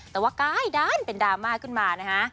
แต่ว่ากลายด้านเป็นดราม่าขึ้นมานะฮะ